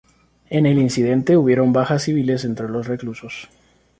En el incidente hubieron bajas civiles entre los reclusos.